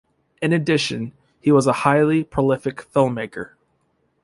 In addition, he was a highly prolific filmmaker.